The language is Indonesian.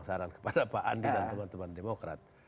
saran kepada pak andi dan teman teman demokrat